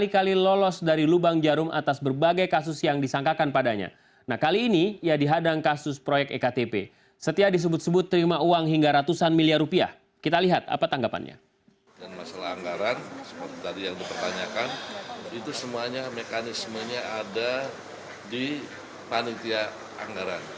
dan masalah anggaran seperti tadi yang dipertanyakan itu semuanya mekanismenya ada di panitia anggaran